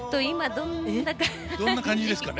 どんな感じですかね？